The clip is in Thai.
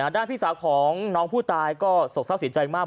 พี่สาวของน้องผู้ตายก็โศกเศร้าเสียใจมาก